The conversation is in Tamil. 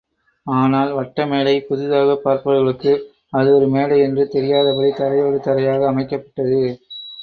ஆனால் வட்டமேடை புதிதாகப் பார்ப்பவர்களுக்கு, அது ஒரு மேடை என்று தெரியாதபடி, தரையோடு தரையாக அமைக்கப்பட்டது.